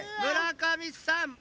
村上さん